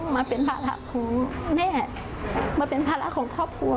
มาเป็นภาระของแม่มาเป็นภาระของครอบครัว